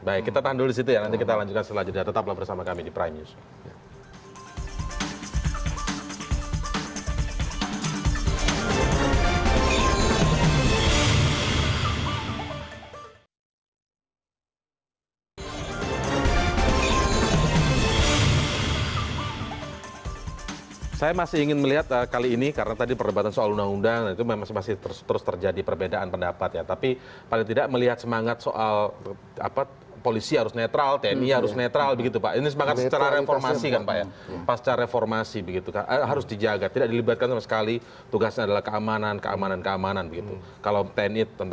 baik kita tahan dulu di situ ya